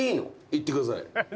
言ってください。